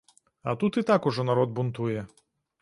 А тут і так ужо народ бунтуе.